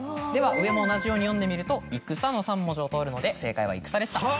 では上も同じように読んでみると「いくさ」の３文字を通るので正解は「いくさ」でした。